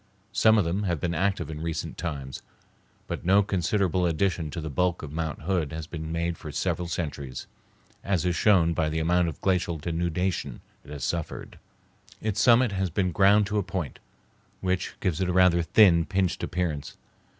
Some of them have been active in recent times, but no considerable addition to the bulk of Mount Hood has been made for several centuries, as is shown by the amount of glacial denudation it has suffered. Its summit has been ground to a point, which gives it a rather thin, pinched appearance.